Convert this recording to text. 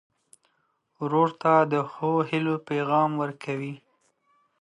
ورور ته د ښو هيلو پیغام ورکوې.